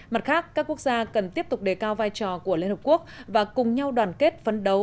mặt khác các quốc gia cần tiếp tục đề cao vai trò của liên hợp quốc và cùng nhau đoàn kết phấn đấu